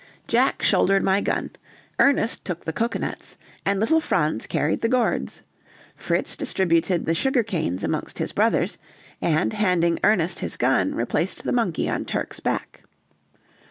Jack shouldered my gun, Ernest took the cocoanuts, and little Franz carried the gourds; Fritz distributed the sugar canes amongst his brothers, and handing Ernest his gun replaced the monkey on Turk's back.